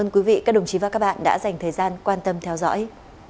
quý vị các đồng chí và các bạn đã dành thời gian quan tâm theo dõi